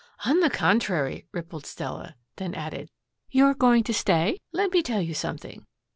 "On the contrary," rippled Stella, then added, "You're going to stay? Let me tell you something.